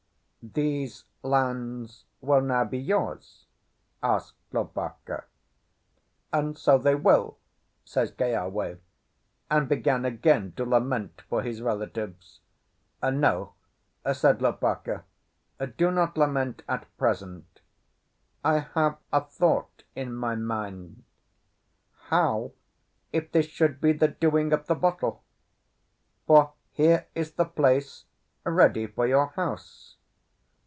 "These lands will now be yours?" asked Lopaka. "And so they will," says Keawe, and began again to lament for his relatives. "No," said Lopaka, "do not lament at present. I have a thought in my mind. How if this should be the doing of the bottle? For here is the place ready for your house."